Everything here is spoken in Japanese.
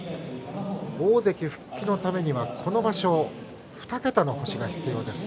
大関復帰のためにはこの場所、２桁の星が必要です。